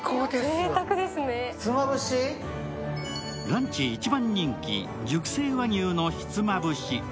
ランチ一番人気、熟成和牛のひつまぶし。